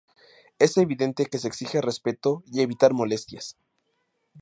Es evidente que se exige respeto y evitar molestias.